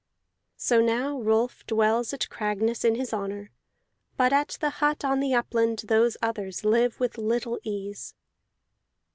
So now Rolf dwells at Cragness in his honor, but at the hut on the upland those others live with little ease.